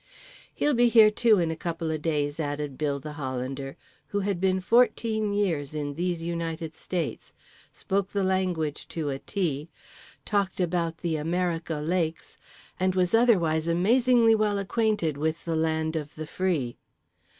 "He'll be here too in a couple o' days," added Bill the Hollander, who had been fourteen years in These United States, spoke the language to a T, talked about "The America Lakes," and was otherwise amazingly well acquainted with The Land of The Free.